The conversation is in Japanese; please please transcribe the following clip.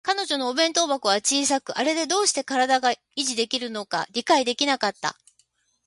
彼女のお弁当箱は小さく、あれでどうして身体が維持できるのか理解できなかった